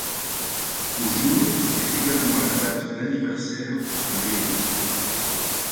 Ce jour est également la date d'anniversaire de Leo.